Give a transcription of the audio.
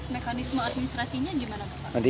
mekanisme administrasinya gimana pak